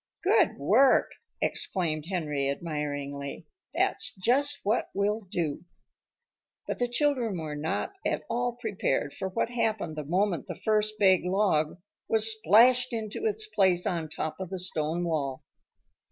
"Good work!" exclaimed Henry admiringly. "That's just what we'll do." But the children were not at all prepared for what happened the moment the first big log was splashed into its place on top of the stone wall.